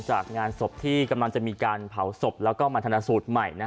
จากงานศพที่กำลังจะมีการเผาศพแล้วก็มาธนสูตรใหม่